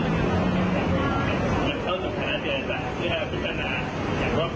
ก็จะเข้าจากฐานาศิลปริศนาที่ให้พิจารณาอย่างรอบรอบต่อไป